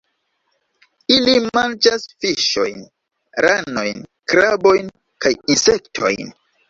Ili manĝas fiŝojn, ranojn, krabojn kaj insektojn.